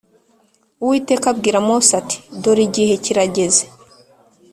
Uwiteka abwira Mose ati “Dore igihe kirageze”